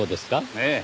ええ。